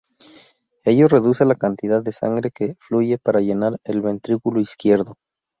Ello reduce la cantidad de sangre que fluye para llenar el ventrículo izquierdo.